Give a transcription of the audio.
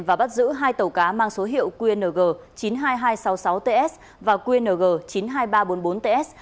và bắt giữ hai tàu cá mang số hiệu qng chín mươi hai nghìn hai trăm sáu mươi sáu ts và qng chín mươi hai nghìn ba trăm bốn mươi bốn ts